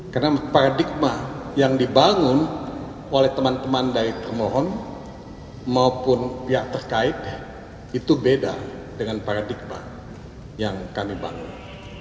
karena paradigma yang dibangun oleh teman teman dari kremohon maupun pihak terkait itu beda dengan paradigma yang kami bangun